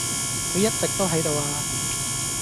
佢一直都喺度呀